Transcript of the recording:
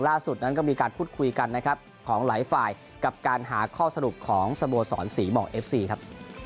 ล่าสุดนั้นก็มีการพูดคุยกันนะครับของหลายฝ่ายกับการหาข้อสรุปของสโมสรศรีหมอกเอฟซีครับ